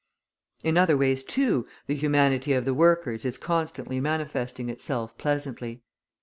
In other ways, too, the humanity of the workers is constantly manifesting itself pleasantly.